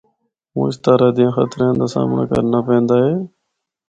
مُچ طرح دیاں خطریاں دا سامنڑا کرنا پیندا ہے۔